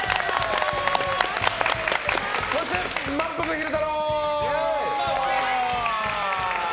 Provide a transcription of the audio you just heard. そして、まんぷく昼太郎！